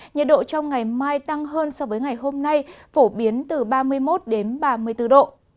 nhiệt độ trong ngày mai tăng hơn so với ngày hôm nay phổ biến từ ba mươi một đến ba mươi bốn độ